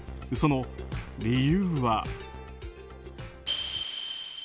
その理由は。